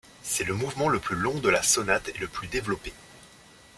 C'est le mouvement le plus long de la sonate et le plus développé.